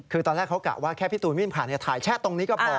คือตอนแรกเขากะว่าแค่พี่ตูนวิ่งผ่านถ่ายแชทตรงนี้ก็พอ